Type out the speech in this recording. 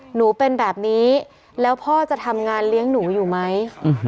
หนูเป็นแบบนี้แล้วพ่อจะทำงานเลี้ยงหนูอยู่ไหม